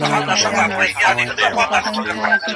پرمختللې ټکنالوژي د اقتصادي ودې ملاتړ کوي.